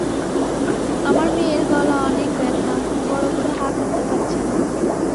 আমার মেয়ের গলা অনেক ব্যথা, বড় করে হা করতে পারছে না।